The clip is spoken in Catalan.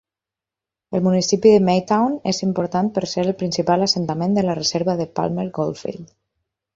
El municipi de Maytown és important per ser el principal assentament de la reserva de Palmer Goldfield.